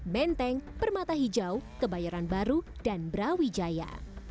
menteng permata hijau kebayoran baru dan brawijaya